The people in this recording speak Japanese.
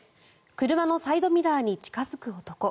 車のサイドミラーに近付く男。